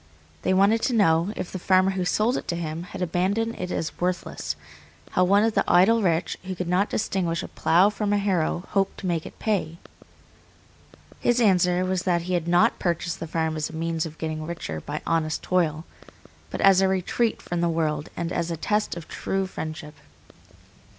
They wanted to know, if the farmer who sold it to him had abandoned it as worthless, how one of the idle rich, who could not distinguish a plough from a harrow, hoped to make it pay? His answer was that he had not purchased the farm as a means of getting richer by honest toil, but as a retreat from the world and as a test of true friendship.